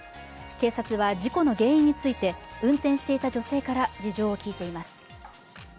警察は事故の原因について運転していた女性から事情を聴いています。